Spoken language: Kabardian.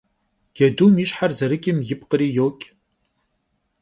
Cedum yi şher zerıç'ım yipkhri yoç'.